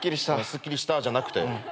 「すっきりした」じゃなくて。